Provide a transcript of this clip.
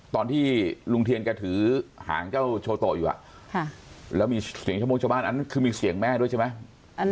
ตอนที่ลุงเทียนแกถือหางเจ้าโชโตอยู่แล้วมีเสียงชาวโม่งชาวบ้านอันนั้นคือมีเสียงแม่ด้วยใช่ไหม